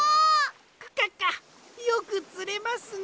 クカカよくつれますね。